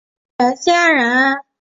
新安人。